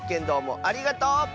どうもありがとう！